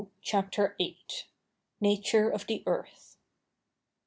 CHAPTER VIII. NATURE OF THE EARTH.